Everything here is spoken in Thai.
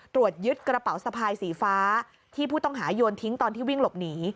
ตรวจยึดกระเป๋าสะพายสีฟ้าที่ผู้ต้องหาโยนทิ้งตอนที่วิ่งหลบหนี